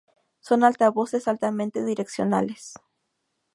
Son altavoces altamente direccionales.